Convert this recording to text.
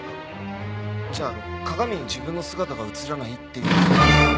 じゃあ鏡に自分の姿が映らないっていうのは。